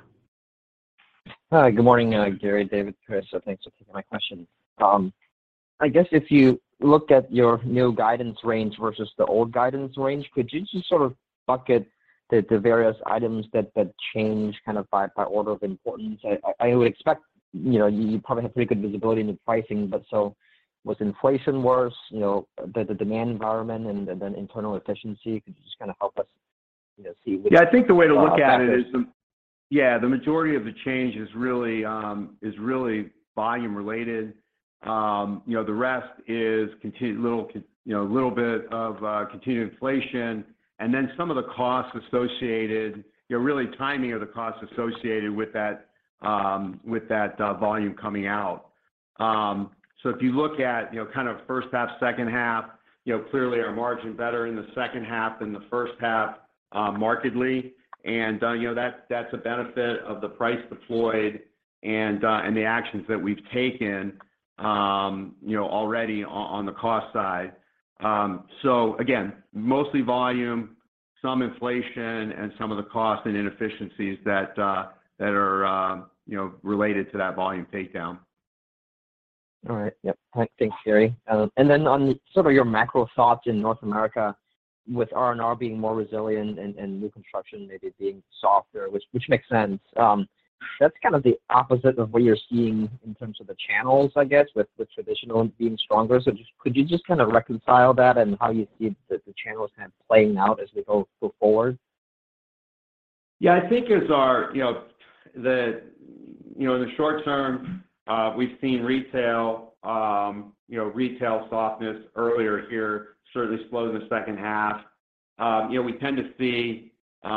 Speaker 12: Hi. Good morning, Gary, David, Chris. Thanks for taking my question. I guess if you look at your new guidance range versus the old guidance range, could you just sort of bucket the various items that change kind of by order of importance? I would expect, you know, you probably have pretty good visibility into pricing, but so was inflation worse, you know, the demand environment and then internal efficiency? Could you just kind of help us, you know, see which... <crosstalk>
Speaker 3: Yeah. I think the way to look at it is, the majority of the change is really volume related. You know, the rest is a little bit of continued inflation and then some of the costs associated, you know, really the timing of the costs associated with that volume coming out. If you look at, you know, kind of first half, second half, you know, clearly our margin better in the second half than the first half, markedly. You know, that's a benefit of the pricing deployed and the actions that we've taken, you know, already on the cost side. Again, mostly volume, some inflation and some of the costs and inefficiencies that are, you know, related to that volume takedown.
Speaker 12: All right. Yep. Thanks, Gary. On sort of your macro thoughts in North America with R&R being more resilient and new construction maybe being softer, which makes sense, that's kind of the opposite of what you're seeing in terms of the channels, I guess, with the traditional being stronger. Just could you just kind of reconcile that and how you see the channels kind of playing out as we go forward?
Speaker 3: I think in the short term, we've seen retail, you know, retail softness earlier this year certainly slow in the second half. You know, we tend to see, you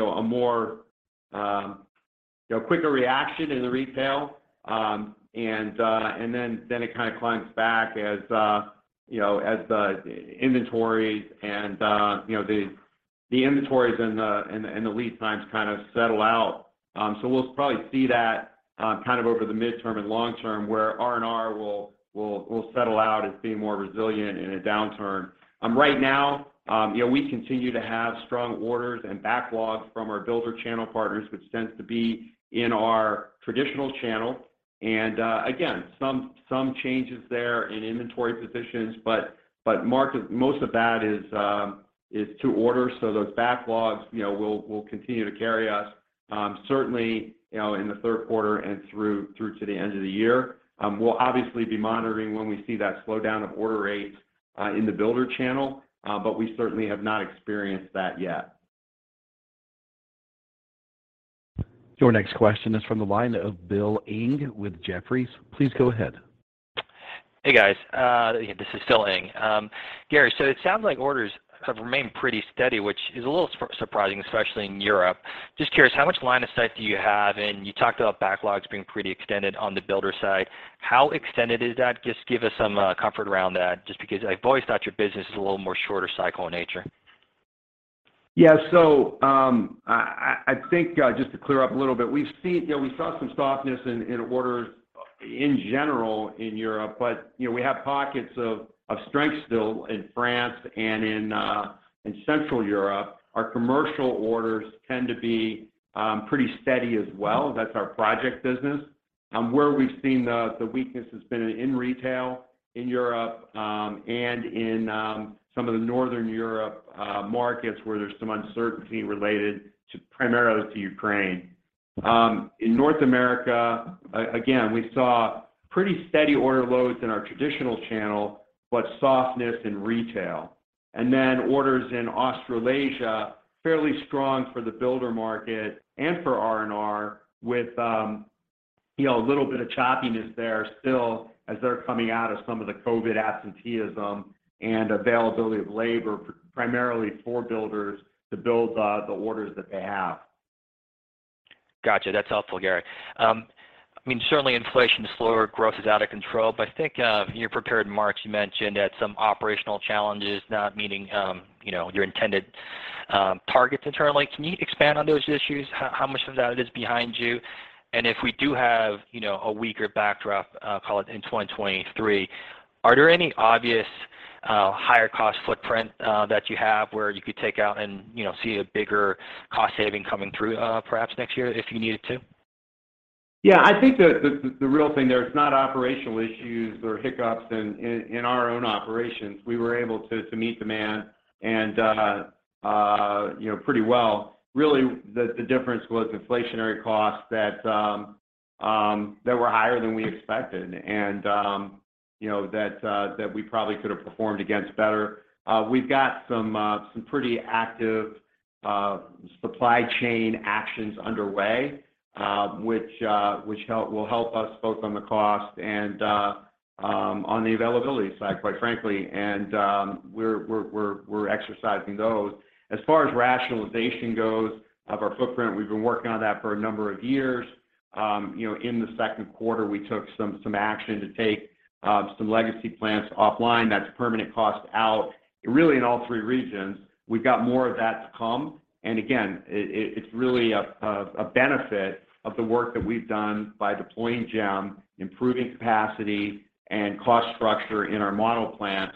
Speaker 3: know, a more quicker reaction in the retail. And then it kind of climbs back as, you know, as the inventories and the lead times kind of settle out. We'll probably see that kind of over the midterm and long term where R&R will settle out as being more resilient in a downturn. Right now, you know, we continue to have strong orders and backlogs from our builder channel partners, which tends to be in our traditional channel. Again, some changes there in inventory positions, but most of that is to order. Those backlogs, you know, will continue to carry us, certainly, you know, in the third quarter and through to the end of the year. We'll obviously be monitoring when we see that slowdown of order rates in the builder channel. We certainly have not experienced that yet.
Speaker 1: Your next question is from the line of Bill Inge with Jefferies. Please go ahead.
Speaker 13: Hey, guys. This is still Inge. Gary, it sounds like orders have remained pretty steady, which is a little surprising, especially in Europe. Just curious, how much line of sight do you have. You talked about backlogs being pretty extended on the builder side. How extended is that? Just give us some comfort around that, just because I've always thought your business is a little more shorter cycle in nature.
Speaker 3: Yeah. I think just to clear up a little bit, we've seen. You know, we saw some softness in orders in general in Europe, but you know, we have pockets of strength still in France and in Central Europe. Our commercial orders tend to be pretty steady as well. That's our project business. Where we've seen the weakness has been in retail in Europe and in some of the Northern Europe markets where there's some uncertainty related primarily to Ukraine. In North America, again, we saw pretty steady order loads in our traditional channel, but softness in retail. Orders in Australasia, fairly strong for the builder market and for R&R with, you know, a little bit of choppiness there still as they're coming out of some of the COVID absenteeism and availability of labor primarily for builders to build, the orders that they have.
Speaker 13: Gotcha. That's helpful, Gary. I mean, certainly inflation is slowing, growth is out of control, but I think, in your prepared remarks you mentioned that some operational challenges not meeting, you know, your intended targets internally. Can you expand on those issues? How much of that is behind you? If we do have, you know, a weaker backdrop, call it in 2023 Are there any obvious, higher cost footprint, you have where you could take out and, you know, see a bigger cost saving coming through, perhaps next year if you needed to?
Speaker 3: Yeah. I think the real thing there is not operational issues or hiccups in our own operations. We were able to meet demand and, you know, pretty well. Really the difference was inflationary costs that were higher than we expected. You know, that we probably could have performed against better. We've got some pretty active supply chain actions underway, which will help us both on the cost and on the availability side, quite frankly. We're exercising those. As far as rationalization goes of our footprint, we've been working on that for a number of years. In the second quarter, we took some action to take some legacy plants offline. That's permanent cost out really in all three regions. We've got more of that to come. Again, it's really a benefit of the work that we've done by deploying JEM, improving capacity and cost structure in our model plants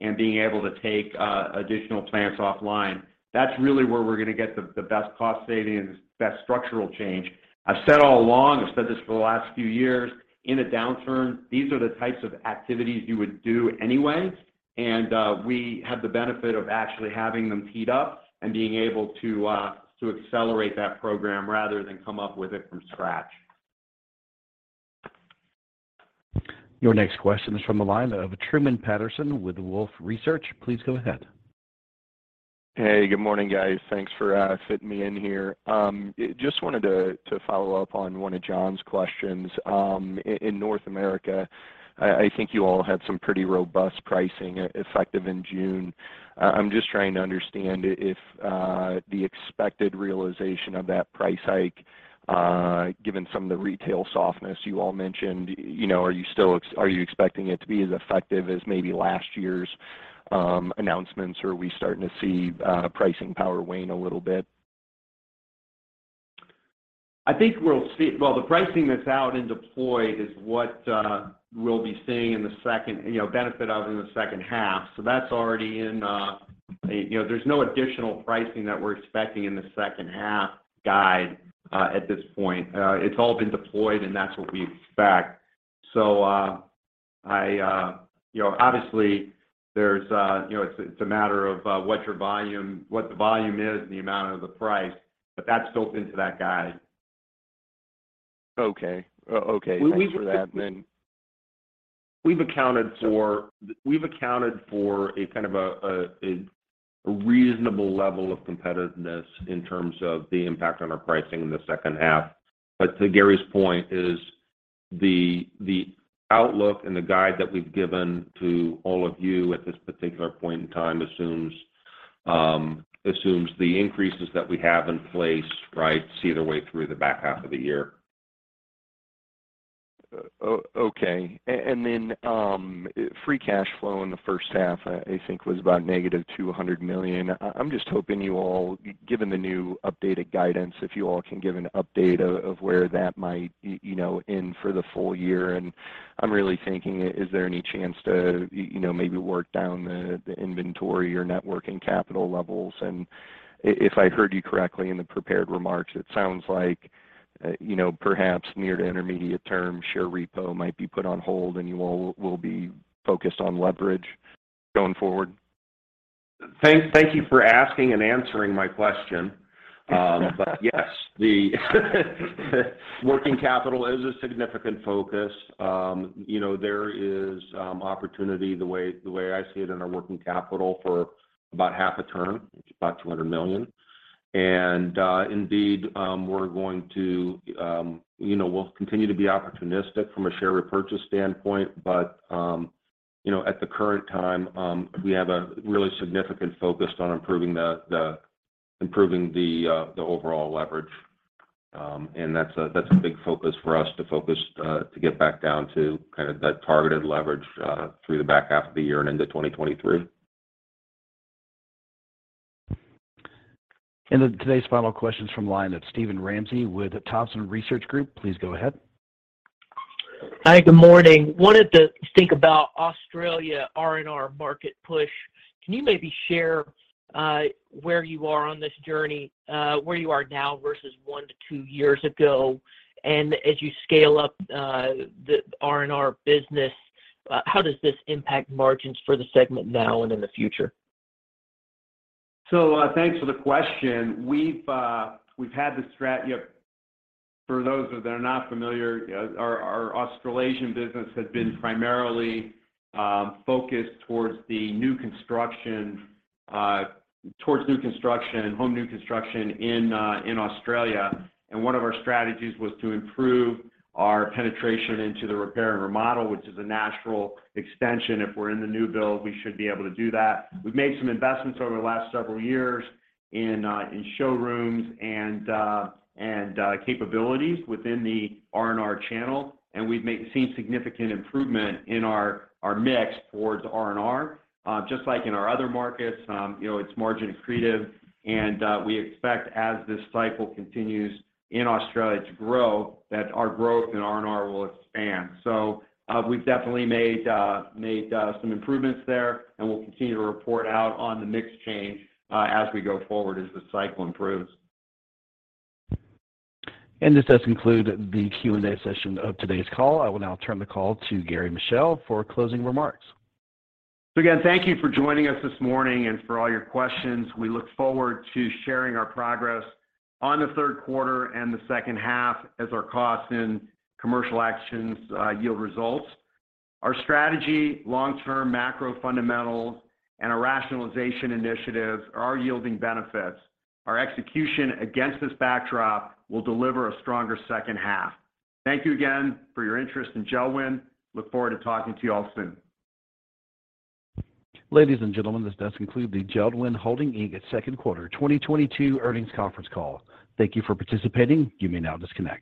Speaker 3: and being able to take additional plants offline. That's really where we're gonna get the best cost savings, best structural change. I've said all along, I've said this for the last few years, in a downturn, these are the types of activities you would do anyway, and we have the benefit of actually having them teed up and being able to accelerate that program rather than come up with it from scratch.
Speaker 1: Your next question is from the line of Truman Patterson with Wolfe Research. Please go ahead.
Speaker 14: Hey, good morning, guys. Thanks for fitting me in here. Just wanted to follow up on one of John's questions. In North America, I think you all had some pretty robust pricing effective in June. I'm just trying to understand if the expected realization of that price hike, given some of the retail softness you all mentioned, you know, are you still expecting it to be as effective as maybe last year's announcements? Or are we starting to see pricing power wane a little bit?
Speaker 3: I think we'll see. Well, the pricing that's out and deployed is what we'll be seeing in the second, you know, benefit of in the second half. That's already in, you know, there's no additional pricing that we're expecting in the second half guide at this point. It's all been deployed, and that's what we expect. You know, obviously there's, you know, it's a matter of what the volume is and the amount of the price, but that's built into that guide.
Speaker 14: Okay. <crosstalk>
Speaker 3: We... <crosstalk>
Speaker 14: Thanks for that then.
Speaker 4: We've accounted for a kind of a reasonable level of competitiveness in terms of the impact on our pricing in the second half. To Gary's point is the outlook and the guide that we've given to all of you at this particular point in time assumes the increases that we have in place, right, see their way through the back half of the year.
Speaker 14: Okay. Free cash flow in the first half, I think was about -$200 million. I'm just hoping you all, given the new updated guidance, if you all can give an update of where that might, you know, end for the full year. I'm really thinking, is there any chance to, you know, maybe work down the inventory or net working capital levels? If I heard you correctly in the prepared remarks, it sounds like, you know, perhaps near to intermediate term, share repurchase might be put on hold, and you all will be focused on leverage going forward.
Speaker 3: Thank you for asking and answering my question. Yes, the working capital is a significant focus. There is opportunity, the way I see it, in our working capital for about half a turn, about $200 million. Indeed, we'll continue to be opportunistic from a share repurchase standpoint. At the current time, we have a really significant focus on improving the overall leverage. That's a big focus for us to get back down to kind of that targeted leverage through the back half of the year and into 2023.
Speaker 1: Today's final question's from the line of Steven Ramsey with Thompson Research Group. Please go ahead.
Speaker 15: Hi, good morning. Wanted to think about Australia RNR market push. Can you maybe share where you are on this journey, where you are now versus one to two years ago? As you scale up the RNR business, how does this impact margins for the segment now and in the future?
Speaker 3: Thanks for the question. You know, for those that are not familiar, our Australasian business had been primarily focused towards new construction, home new construction in Australia. One of our strategies was to improve our penetration into the repair and remodel, which is a natural extension. If we're in the new build, we should be able to do that. We've made some investments over the last several years in showrooms and capabilities within the RNR channel, and we've seen significant improvement in our mix towards RNR. Just like in our other markets, you know, it's margin accretive. We expect as this cycle continues in Australia to grow, that our growth in RNR will expand. We've definitely made some improvements there, and we'll continue to report out on the mix change, as we go forward as the cycle improves.
Speaker 1: This does conclude the Q&A session of today's call. I will now turn the call to Gary Michel for closing remarks.
Speaker 3: Again, thank you for joining us this morning and for all your questions. We look forward to sharing our progress on the third quarter and the second half as our costs and commercial actions yield results. Our strategy, long-term macro fundamentals, and our rationalization initiatives are yielding benefits. Our execution against this backdrop will deliver a stronger second half. Thank you again for your interest in JELD-WEN. Look forward to talking to you all soon.
Speaker 1: Ladies and gentlemen, this does conclude the JELD-WEN Holding, Inc.'s Second Quarter 2022 Earnings Conference Call. Thank you for participating. You may now disconnect.